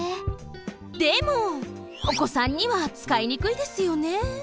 でもおこさんにはつかいにくいですよね？